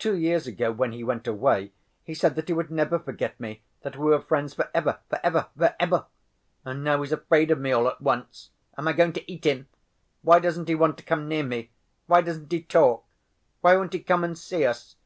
Two years ago, when he went away, he said that he would never forget me, that we were friends for ever, for ever, for ever! And now he's afraid of me all at once. Am I going to eat him? Why doesn't he want to come near me? Why doesn't he talk? Why won't he come and see us?